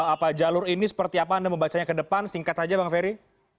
apa jalur ini seperti apa anda membacanya ke depan singkat saja bang ferry